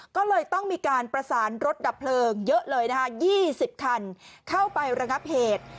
ก็เลยต้องมีการประสานรถดับเพลิงเยอะเลยนะคะ๒๐คันเข้าไประงับเหตุ